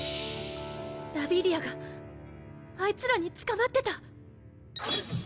ラビリアがあいつらに捕まってた。